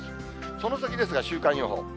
その先ですが、週間予報。